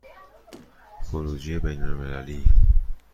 خروجی بین المللی